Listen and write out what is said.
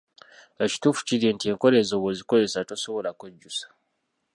Ekituufu kiri nti enkola ezo bw’ozikozesa tosobola kwejjusa.